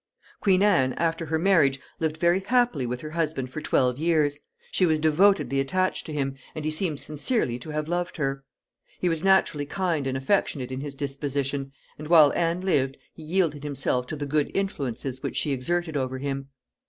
Queen Anne, after her marriage, lived very happily with her husband for twelve years. She was devotedly attached to him, and he seems sincerely to have loved her. He was naturally kind and affectionate in his disposition, and, while Anne lived, he yielded himself to the good influences which she exerted over him.